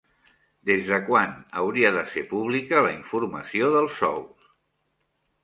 Des de quan hauria de ser pública la informació dels sous?